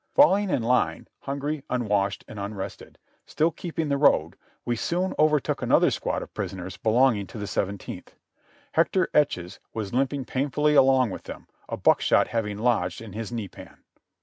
Falling in line, hungry, unwashed and unrested, still keeping the road, we soon overtook another squad of prisoners belonging to the Seventeenth. Hector Eaches was limping painfully along with them, a buck shot having lodged in his knee pan.